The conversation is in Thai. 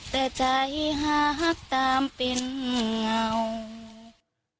แต่ใจหักตามเป็นเงา